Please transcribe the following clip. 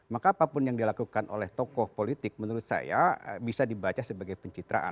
maka apapun yang dilakukan oleh tokoh politik menurut saya bisa dibaca sebagai pencitraan